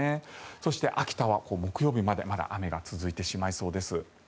そして秋田は木曜日までまだ雨が続いてしまいそうです。